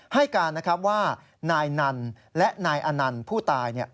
ให้การว่านายนันและนายอานันผู้ตาย